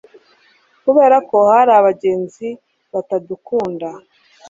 Kubera ko hari abagenzi batadukunda